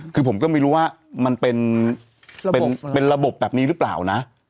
คือผมก็ไม่รู้ว่ามันเป็นระบบเป็นระบบแบบนี้รึเปล่านะ